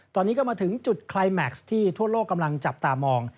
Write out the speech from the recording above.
ตอนนี้ก็มาถึงจุดคลายแม็กซ์ที่ทั่วโลกกำลังจับตามอง